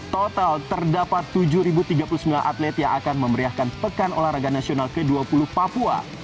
total terdapat tujuh tiga puluh sembilan atlet yang akan memeriahkan pekan olahraga nasional ke dua puluh papua